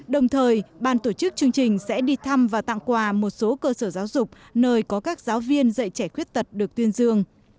đồng thời ban tổ chức chương trình sẽ đi thăm và tặng quà một số cơ sở giáo dục nơi có các giáo viên dạy trẻ khuyết tật được tuyên dương